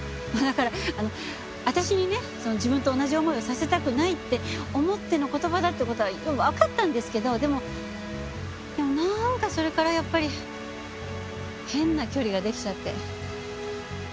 だから私にね自分と同じ思いをさせたくないって思っての言葉だって事はわかったんですけどでもでもなんかそれからやっぱり変な距離が出来ちゃって。